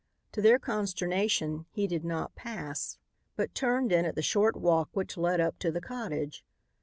To their consternation, he did not pass but turned in at the short walk which led up to the cottage.